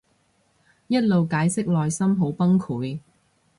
一路解釋內心好崩潰